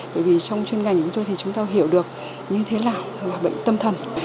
bởi vì trong chuyên ngành của tôi thì chúng ta hiểu được như thế nào là bệnh tâm thần